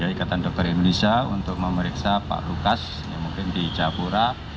ikatan dokter indonesia untuk memeriksa pak lukas yang mungkin di japura